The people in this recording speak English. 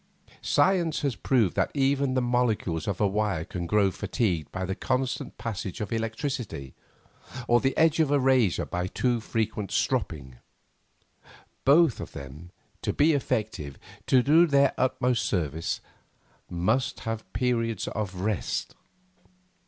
Science has proved that even the molecules of a wire can grow fatigued by the constant passage of electricity, or the edge of a razor by too frequent stropping. Both of them, to be effective, to do their utmost service, must have periods of rest.